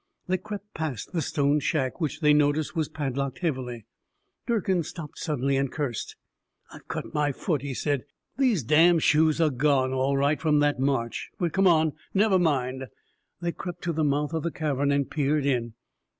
They crept past the stone shack, which they noticed was padlocked heavily. Durkin stopped suddenly, and cursed. "I've cut my foot," he said. "These damn shoes are gone, all right, from that march. But come on, never mind." They crept to the mouth of the cavern and peered in.